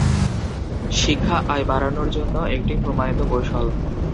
শিক্ষা আয় বাড়ানোর জন্য একটি প্রমাণিত কৌশল।